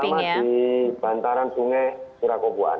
di yang terutama di bantaran sungai surakopuan